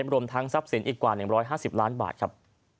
รวมทั้งทรัพย์สินอีกกว่า๑๕๐ล้านบาทครับ